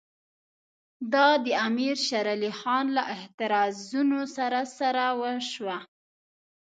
دا د امیر شېر علي خان له اعتراضونو سره سره وشوه.